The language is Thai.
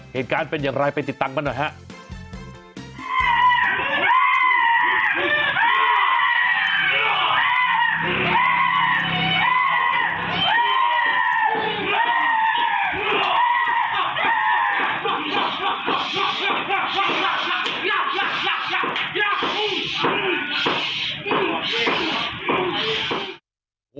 เหตุการณ์เป็นอย่างไรไปติดตามมันหน่อยครับ